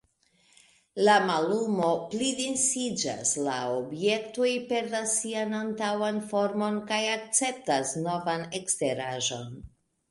La mallumo plidensiĝas; la objektoj perdas sian antaŭan formon kaj akceptas novan eksteraĵon.